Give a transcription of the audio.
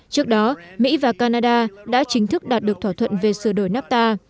trước đó mỹ và canada đã chính thức đạt được thỏa thuận về sửa đổi nafta